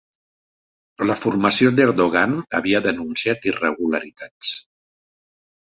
La formació d'Erdogan havia denunciat irregularitats